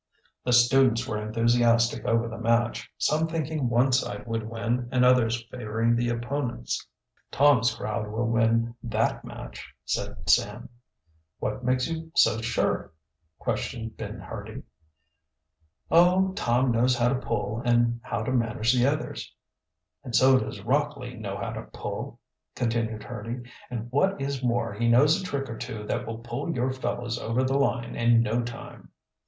The students were enthusiastic over the match, some thinking one side would win and others favoring the opponents. "Tom's crowd will win that match," said Sam. "What makes you so sure?" questioned Ben Hurdy. "Oh, Tom knows how to pull and how to manage the others." "And so does Rockley know how to pull," continued Hurdy. "And what is more, he knows a trick or two that will pull your fellows over the line in no time."